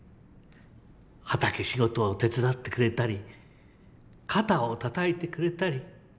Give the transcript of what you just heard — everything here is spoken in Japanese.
畑仕事を手伝ってくれたり肩をたたいてくれたり。